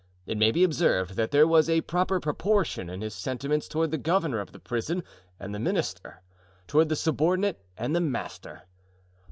It may be observed that there was a proper proportion in his sentiments toward the governor of the prison and the minister—toward the subordinate and the master.